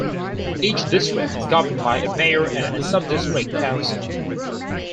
Each district is governed by a Mayor and a Sub-District Council.